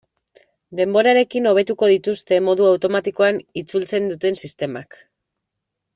Denborarekin hobetuko dituzte modu automatikoan itzultzen duten sistemak.